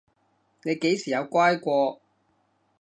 你幾時有乖過？